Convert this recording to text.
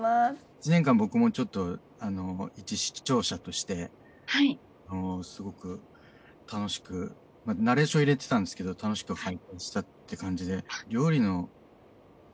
１年間僕もちょっと一視聴者としてすごく楽しくナレーション入れてたんですけど楽しく拝見したって感じで。